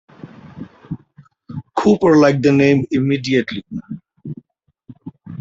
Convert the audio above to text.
Cooper liked the name immediately.